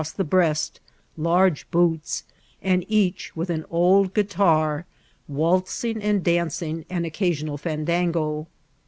S17 ftero0B the breast, kurge boots, and each with an old gai* tar, waltsing and dancing an occnrional fandango.